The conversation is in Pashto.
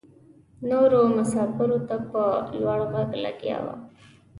نورو مساپرو ته په لوړ غږ لګیا وه.